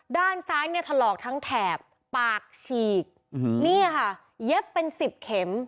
ด้านซ้ายเนี่ยถลอกทั้งแถบปากฉีกนี่ค่ะเย็บเป็นสิบเข็ม